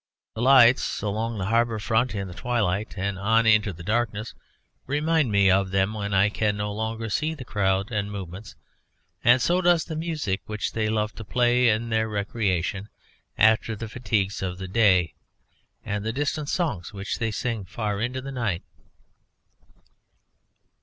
The lights along the harbour front in the twilight and on into the darkness remind me of them when I can no longer see their crowds and movements, and so does the music which they love to play in their recreation after the fatigues of the day, and the distant songs which they sing far into the night.